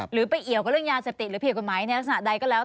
ไปเกี่ยวกับเรื่องยาเสพติดหรือผิดกฎหมายในลักษณะใดก็แล้ว